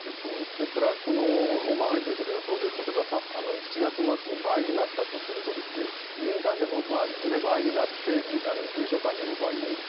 ですから、大曲先生の予想で例えば７月末に倍になったとすると入院患者もいずれ倍になって重症患者も倍になります。